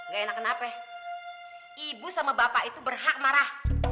gak enak kenapa ya ibu sama bapak itu berhak marah